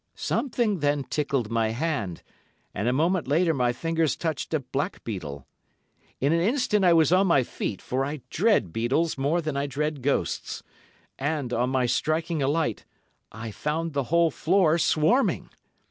Something then tickled my hand, and a moment later my fingers touched a blackbeetle. In an instant I was on my feet, for I dread beetles more than I dread ghosts, and, on my striking a light, I found the whole floor swarming.